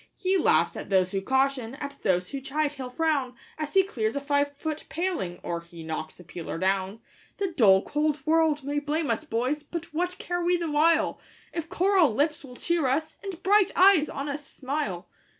He laughs at those who caution, at those who chide he'll frown, As he clears a five foot paling, or he knocks a peeler down. The dull, cold world may blame us, boys! but what care we the while, If coral lips will cheer us, and bright eyes on us smile?